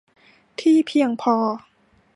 ที่เพียงพอ